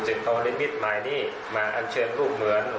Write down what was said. จึงเขามิตรหมายนี้มาอัลเชิญรูปเหมือน